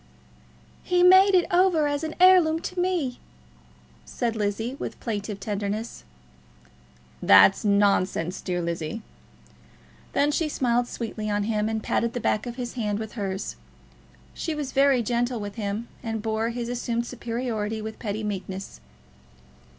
"He made it over as an heirloom to me," said Lizzie, with plaintive tenderness. "That's nonsense, dear Lizzie." Then she smiled sweetly on him, and patted the back of his hand with hers. She was very gentle with him, and bore his assumed superiority with pretty meekness.